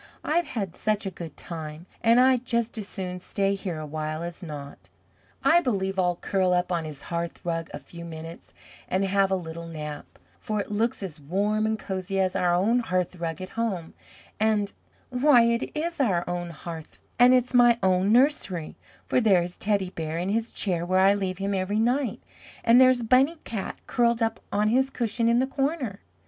I've had such a good time, and I'd just as soon stay here a while as not. I believe I'll curl up on his hearth rug a few minutes and have a little nap, for it looks as warm and cozy as our own hearth rug at home, and why, it is our own hearth and it's my own nursery, for there is Teddy Bear in his chair where I leave him every night, and there's Bunny Cat curled up on his cushion in the corner."